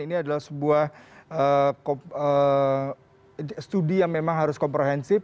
ini adalah sebuah studi yang memang harus komprehensif